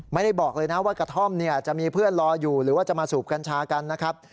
ไม่ได้บอกเลยนะว่ากระท่อมเนี่ยจะมีเพื่อนรออยู่หรือว่าจะมาสูบกัญชากันนะครับ